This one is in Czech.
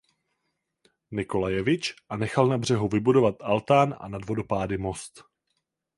Nikolajevič a nechal na břehu vybudovat altán a nad vodopády most.